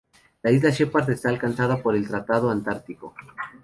La isla Shepard esta alcanzada por el Tratado Antártico.